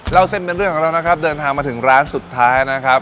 เล่าเส้นเป็นเรื่องของเรานะครับเดินทางมาถึงร้านสุดท้ายนะครับ